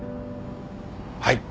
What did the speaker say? はい。